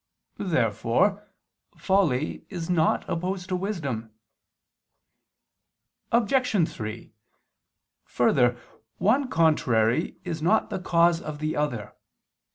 Therefore folly is not opposed to wisdom. Obj. 3: Further, one contrary is not the cause of the other.